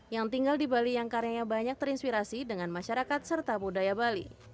yang tinggal di bali yang karyanya banyak terinspirasi dengan masyarakat serta budaya bali